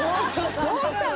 どうしたの？